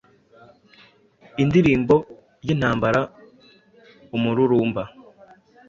Indirimbo yintambara umururumba